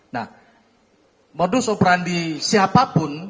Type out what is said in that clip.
nah modus operandi siapapun